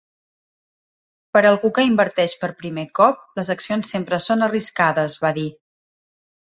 "Per algú que inverteix per primer cop, les accions sempre són arriscades", va dir.